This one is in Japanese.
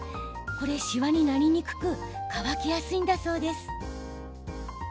しわになりにくく乾きやすいのだそう。